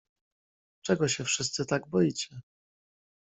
"Czego się wszyscy tak boicie!"